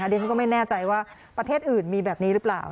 ดิฉันก็ไม่แน่ใจว่าประเทศอื่นมีแบบนี้หรือเปล่า